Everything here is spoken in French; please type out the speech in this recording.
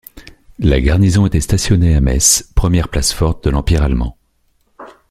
La garnison était stationnée à Metz, première place forte de l'Empire allemand.